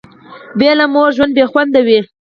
بي له موره ژوند بي خونده وي